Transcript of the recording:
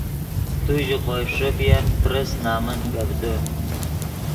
تو ژے خوئے ݰیفین پرس نمن گپ دے